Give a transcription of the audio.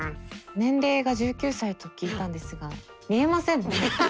年齢が１９歳と聞いたんですが見えませんね。